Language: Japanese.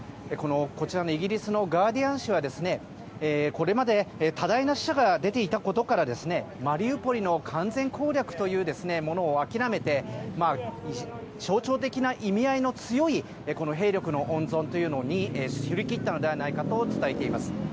イギリスのガーディアン紙はこれまで多大な死者が出ていたことからマリウポリの完全攻略というものを諦めて象徴的な意味合いの強い兵力の温存ということに振り切ったのではないかと伝えています。